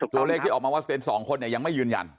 ตัวเลขที่ออกมาว่าเป็น๒คนเนี่ยยังไม่ยืนยัน